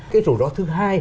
cái rủi ro thứ hai